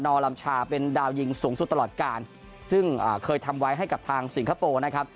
ลำชาเป็นดาวยิงสูงสุดตลอดการซึ่งเคยทำไว้ให้กับทางสิงคโปร์นะครับ